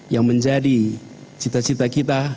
yang menjadi cita cita kita